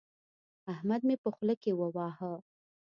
احمد مې په خوله کې وواهه.